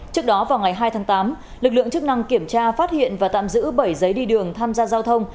trước đó vào ngày hai tháng tám lực lượng chức năng kiểm tra phát hiện và tạm giữ bảy giấy đi đường tham gia giao thông